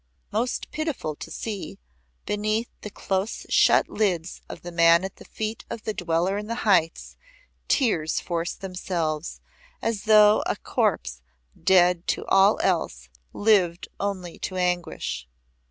(Most pitiful to see, beneath the close shut lids of the man at the feet of the Dweller in the Heights, tears forced themselves, as though a corpse dead to all else lived only to anguish.